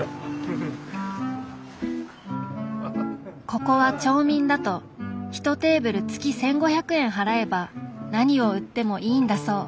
ここは町民だと１テーブル月１，５００円払えば何を売ってもいいんだそう。